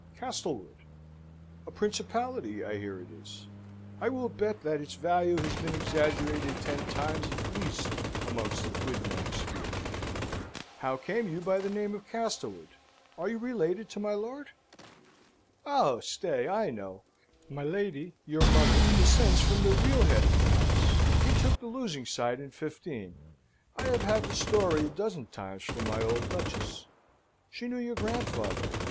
"Castlewood." "A principality, I hear it is. I will bet that its value has been exaggerated ten times at least amongst the quidnuncs here. How came you by the name of Castlewood? you are related to my lord? Oh, stay: I know, my lady, your mother, descends from the real head of the house. He took the losing side in '15. I have had the story a dozen times from my old Duchess. She knew your grandfather.